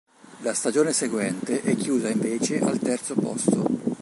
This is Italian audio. La stagione seguente è chiusa invece al terzo posto.